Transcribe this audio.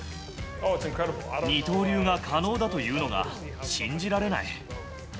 二刀流が可能だというのが信じられない。